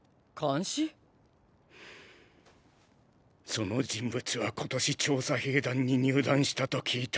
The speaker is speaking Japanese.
その人物は今年調査兵団に入団したと聞いた。